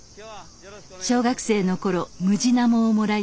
小学生の頃ムジナモをもらい